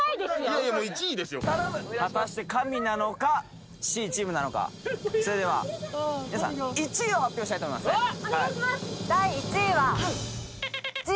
いやいや１位ですよ果たして神なのかＣチームなのかそれでは皆さん１位を発表したいと思いますうわ！